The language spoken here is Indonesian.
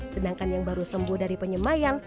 sedangkan yang baru sembuh dari penyemayan